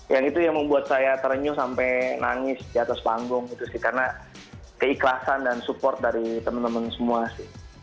yang itu yang membuat saya terenyuh sampai nangis di atas panggung gitu sih karena keikhlasan dan support dari teman teman semua sih